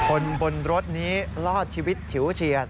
คนบนรถนี้รอดชีวิตฉิวเฉียด